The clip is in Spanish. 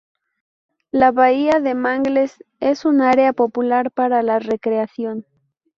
La bahía de Mangles es un área popular para la recreación.